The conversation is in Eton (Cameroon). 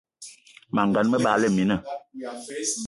Mas gan, me bagla mina